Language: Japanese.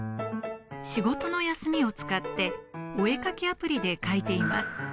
仕事の休みを使って、お絵描きアプリで描いています。